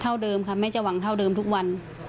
เท่าเดิมค่ะแม่จะหวังเท่าเดิมทุกวัน